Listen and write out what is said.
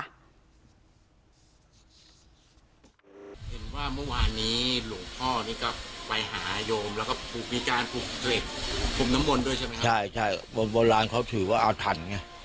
อาถานอาณมนต์ประอนำมนต์ต้องแพ้ในศาล